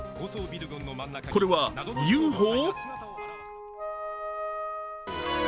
これはＵＦＯ？